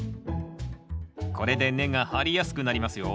これで根が張りやすくなりますよ。